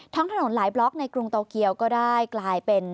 ท้องถนนหลายบล็อกในกรุงโตเกียวก็ได้กลายเป็น